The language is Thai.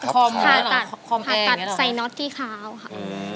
ขาดตัดไซน็อตที่เขาค่ะ